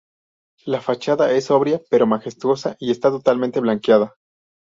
La fachada es sobria pero majestuosa y está totalmente blanqueada.